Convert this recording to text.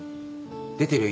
出てるよ